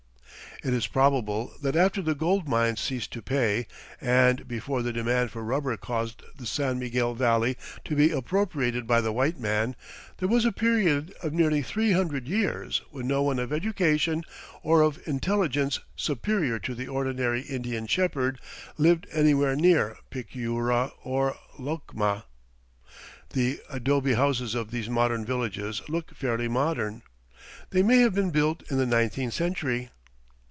It is probable that after the gold mines ceased to pay, and before the demand for rubber caused the San Miguel Valley to be appropriated by the white man, there was a period of nearly three hundred years when no one of education or of intelligence superior to the ordinary Indian shepherd lived anywhere near Pucyura or Lucma. The adobe houses of these modern villages look fairly modern. They may have been built in the nineteenth century.